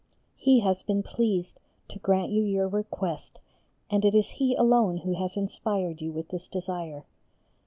He has been pleased to grant you your request and it is He alone who has inspired you with this desire.